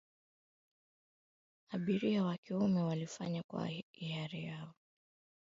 abiria wa kiume walifanya kwa hiari yao